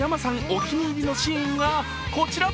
お気に入りのシーンが、こちら。